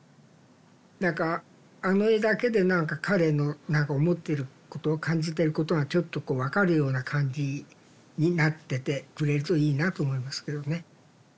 何かあの絵だけで何か彼の思ってること感じてることがちょっとこうわかるような感じになっててくれるといいなと思いますけどね。